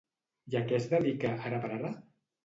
I a què es dedica ara per ara?